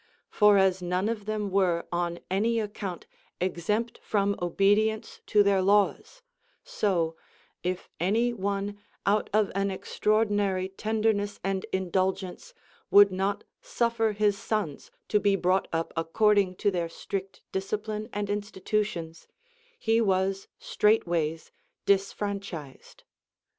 For as none of them were on any account exempt from obe dience to their laws, so, if any one out of an extraordinary tenderness and indulgence Avould not suffer his sons to be brought up according to their strict discipline and insti tutions, he was straightway s disfranchised.